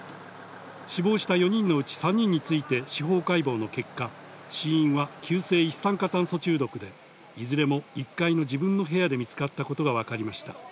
死亡した４人のうち、３人について司法解剖の結果、死因は急性一酸化炭素中毒で、いずれも１階の自分の部屋で見つかったことがわかりました。